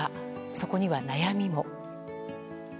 そこには、悩みも。